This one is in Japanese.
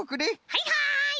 はいはい！